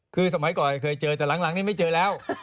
คือสมัยก่อนเคยเจอแต่หลังนี้ไม่เจอแล้ว